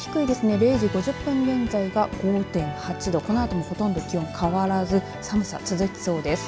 ０時５０分現在が５．８度、このあともほとんど気温は変わらず寒さ続きそうです。